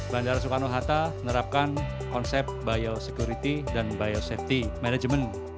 bandara soekarno hatta menerapkan konsep biosecurity dan biosafety management